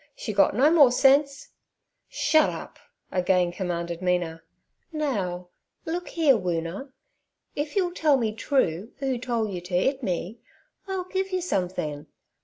She's got no more sense—' 'Shut up!' again commanded Mina. 'Now, look 'ere, Woona; if you'll tell me true 'oo tole yer to 'it me, I'll give yer something.